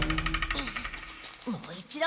もう一度。